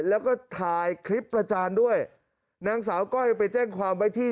แล้วก็ถ่ายคลิปประจานด้วยนางสาวก้อยไปแจ้งความไว้ที่